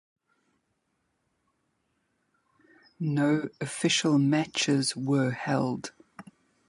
No official matches were held.